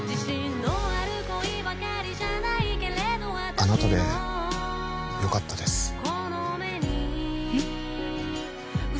あなたでよかったですえっ？